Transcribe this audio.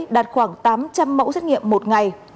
đạt khoảng tám trăm linh mẫu xét nghiệm một ngày